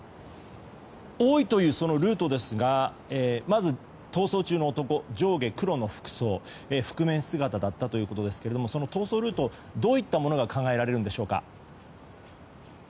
多いというルートですがまず逃走中の男上下黒の服装で覆面姿だったということですけどその逃走ルートどういったものが考えられますか。